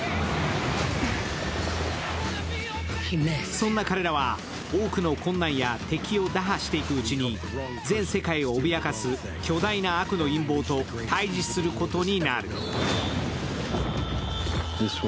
そんな彼らは多くの困難や敵を打破していくうちに、全世界を脅かす巨大な悪の陰謀と対峙することになる。